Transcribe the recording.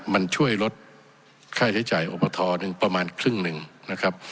มันช่วยลดค่าใช้จ่ายอบทหนึ่งประมาณครึ่งหนึ่งนะครับ